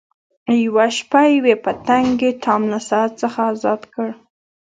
یوه شپه یوې پتنګې ټام له ساعت څخه ازاد کړ.